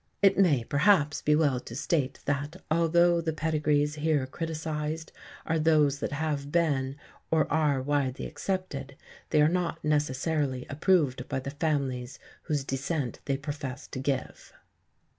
(It may, perhaps, be well to state that, although the pedigrees here criticised are those that have been or are widely accepted, they are not necessarily approved by the families whose descent they profess to give.)